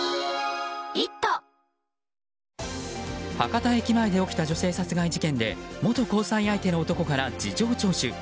博多駅前で起きた女性殺害事件で元交際相手の男から事情聴取。